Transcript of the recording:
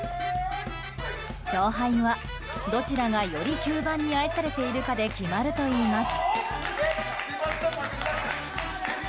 勝敗は、どちらがより吸盤に愛されているかで決まるといいます。